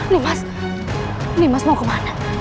nih mas mau kemana